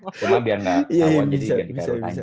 cuma biar nggak awal jadi kairul tanjung